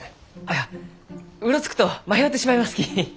いやうろつくと迷うてしまいますき。